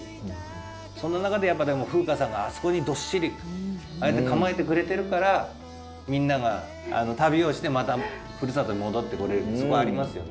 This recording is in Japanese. その中でやっぱでも風夏さんがあそこにどっしりああやって構えてくれてるからみんなが旅をしてまたふるさとに戻ってこれるってそこありますよね。